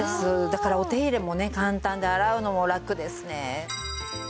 だからお手入れもね簡単で洗うのもラクですね。